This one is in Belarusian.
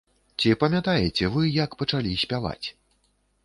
Ці памятаеце вы, як пачалі спяваць?